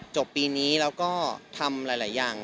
จบปีนี้แล้วก็ทำหลายอย่าง